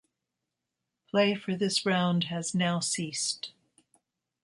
Play for this round has now ceased.